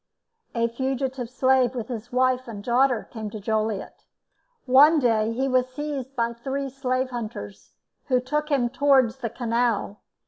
A fugitive slave with his wife and daughter came to Joliet. One day he was seized by three slave hunters, who took him towards the canal.